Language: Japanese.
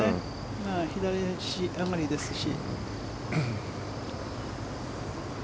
左足上がりですし。